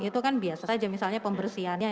itu kan biasa saja misalnya pembersihannya